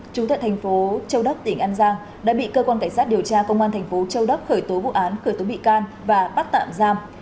trung tận thành phố châu đắp tỉnh an giang đã bị cơ quan cảnh sát điều tra công an thành phố châu đắp khởi tố vụ án khởi tố bị can và bắt tạm giam